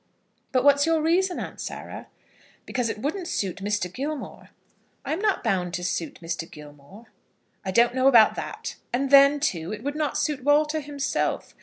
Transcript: "But what's your reason, Aunt Sarah?" "Because it wouldn't suit Mr. Gilmore." "I am not bound to suit Mr. Gilmore." "I don't know about that. And then, too, it would not suit Walter himself.